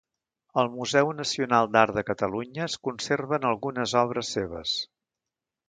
Al Museu Nacional d'Art de Catalunya es conserven algunes obres seves.